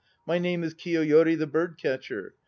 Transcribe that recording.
My name is Kiyoyori the Bird Catcher.